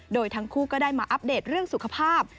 โดยทั้งคู่ก็ได้มาอัปเดตเรื่องสุขภาพ